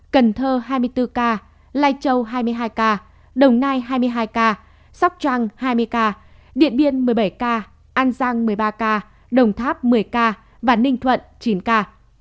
cần thơ hai mươi bốn ca lai châu hai mươi hai ca đồng nai hai mươi hai ca sóc trăng hai mươi ca điện biên một mươi bảy ca an giang một mươi ba ca đồng tháp một mươi ca và ninh thuận chín ca